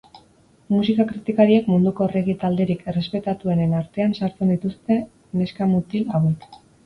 Musika kritikariek munduko reggae talderik errespetatuenen artean sartzen dituzte neska-mutl hauek.